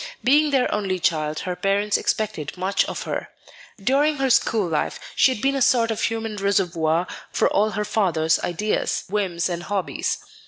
Being their only child, her parents expected much of her. During her school life she had been a sort of human reservoir for all her father's ideas, whims, and hobbies.